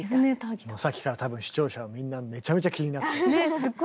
さっきから多分視聴者はみんなめちゃめちゃ気になってた。